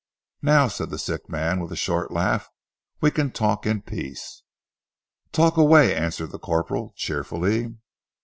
"Now," said the sick man, with a short laugh, "we can talk in peace." "Talk away," answered the corporal cheerfully.